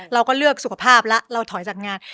เราก็เลือกสุขภาพแล้วเราถอยจากงาน